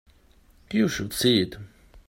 You should see it.